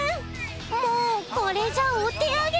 もうこれじゃお手上げ！